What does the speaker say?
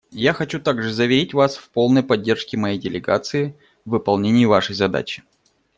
Я хочу также заверить вас в полной поддержке моей делегации в выполнении вашей задачи.